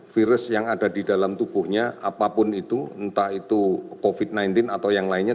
virus yang ada di dalam tubuhnya apapun itu entah itu covid sembilan belas atau yang lainnya